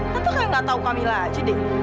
tante kan nggak tahu kamilah jadi